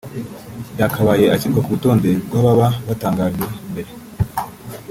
yakabaye ashyirwa ku rutonde rw’ababa batangajwe mbere